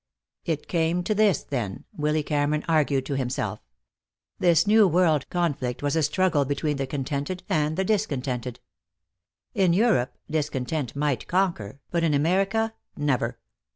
It came to this, then, Willy Cameron argued to himself. This new world conflict was a struggle between the contented and the discontented. In Europe, discontent might conquer, but in America, never.